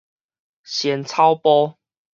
仙草埔